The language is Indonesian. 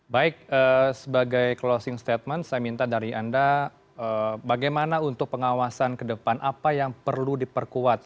baik sebagai closing statement saya minta dari anda bagaimana untuk pengawasan ke depan apa yang perlu diperkuat